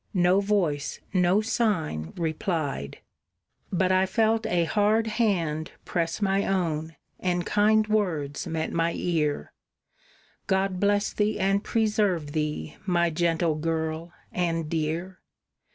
no voice, no sign replied; But I felt a hard hand press my own, and kind words met my ear, "God bless thee, and preserve thee, my gentle girl and dear!"